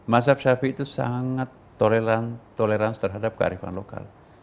masyarakat syafi'i itu sangat tolerans terhadap kearifan lokal